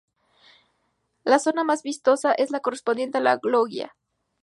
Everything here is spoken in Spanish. La zona más vistosa es la correspondiente a la "loggia".